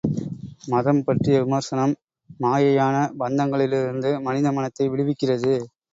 மதம் பற்றிய விமர்சனம், மாயையான பந்தங்களிலிருந்து மனித மனத்தை விடுவிக்கிறது.